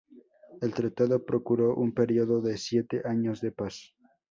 El tratado procuró un período de siete años de paz.